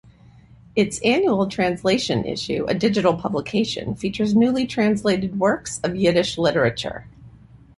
Its annual translation issue, a digital publication, features newly translated works of Yiddish literature.